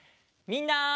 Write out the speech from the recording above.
みんな！